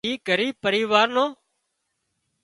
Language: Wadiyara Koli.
اي ڳريٻ پريوار نو